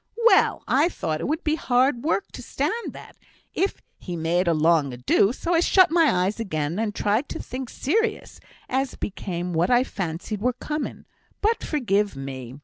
Well! I thought it would be hard work to stand that, if he made a long ado; so I shut my eyes again, and tried to think serious, as became what I fancied were coming; but, forgive me!